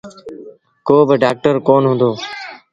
ڪو با ڊآڪٽر ڪونا هُݩدو۔